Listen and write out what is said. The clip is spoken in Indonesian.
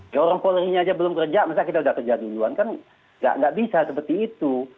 ya orang polri nya aja belum kerja misalnya kita udah kerja duluan kan nggak bisa seperti itu